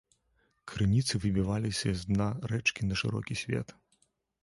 Крыніцы выбіваліся з дна рэчкі на шырокі свет.